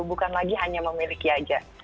bukan lagi hanya memiliki aja